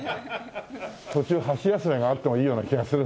途中箸休めがあってもいいような気がするんだけど。